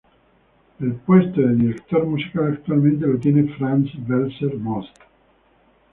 El puesto de director musical actualmente lo tiene Franz Welser-Möst.